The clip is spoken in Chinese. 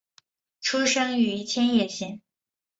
出生于千叶县。